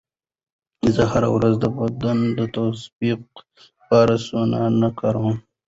زه هره ورځ د بدن د تطبیق لپاره سونا نه کاروم.